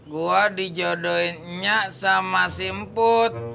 gue dijodohin nyak sama si emput